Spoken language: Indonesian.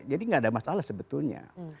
jadi tidak ada masalah sebetulnya